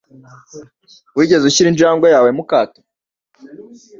Wigeze ushyira injangwe yawe mu kato?